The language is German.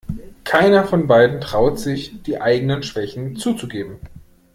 Keiner von beiden traut sich, die eigenen Schwächen zuzugeben.